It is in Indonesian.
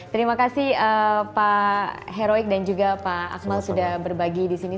terima kasih pak heroic dan juga pak akmal sudah berbagi disini